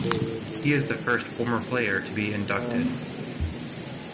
He is the first former player to be inducted.